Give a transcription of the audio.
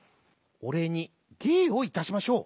おれいにげいをいたしましょう。